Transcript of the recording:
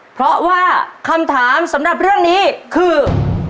เพราะว่าคำถามสำหรับเรื่องนี้คือ